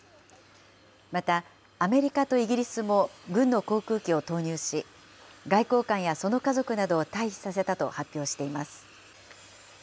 また、アメリカとイギリスも軍の航空機を投入し、外交官やその家族などを退避させたと発表しています。